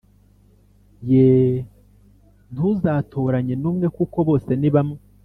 Yeee ntuzatoranye n’umwe kuko bose nibamwe